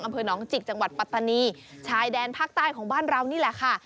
อำเภอหนองจิกจังหวัดปัตตานีชายแดนภาคใต้ของบ้านเรานี่แหละค่ะ